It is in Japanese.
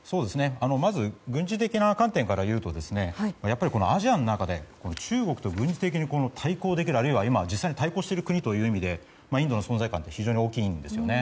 まず軍事的な観点から言うとアジアの中で中国と軍事的に対抗できるあるいは実際に対抗しているという意味でインドの存在感って非常に大きいんですよね。